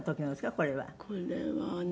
これはね